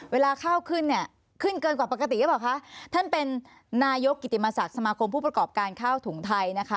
เวลาข้าวขึ้นเนี่ยขึ้นเกินกว่าปกติหรือเปล่าคะท่านเป็นนายกกิติมศักดิ์สมาคมผู้ประกอบการข้าวถุงไทยนะคะ